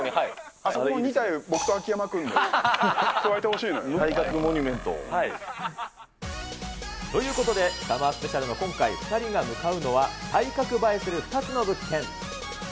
あそこの２体、僕と秋山君で、体格モニュメントを。ということで、サマースペシャルの今回、２人が向かうのは、体格映えする２つの物件。